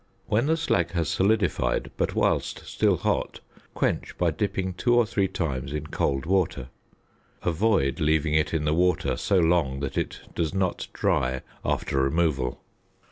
When the slag has solidified, but whilst still hot, quench by dipping two or three times in cold water. Avoid leaving it in the water so long that it does not dry after removal.